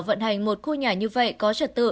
vận hành một khu nhà như vậy có trật tự